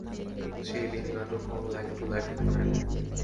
সেই দিন নাটক "অন লাইফ টু লাইফ" করেন।